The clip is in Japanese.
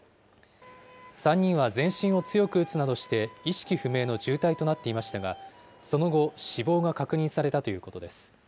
３人は全身を強く打つなどして、意識不明の重体となっていましたが、その後、死亡が確認されたということです。